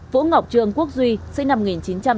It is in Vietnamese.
vũ ngọc trương quốc duy sinh năm một nghìn chín trăm tám mươi